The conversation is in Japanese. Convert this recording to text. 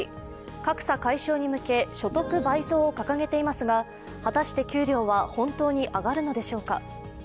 格差解消に向け所得倍増を掲げていますが、果たして給料は本当に上がるのでしょうか？